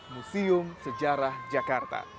museum sejarah jakarta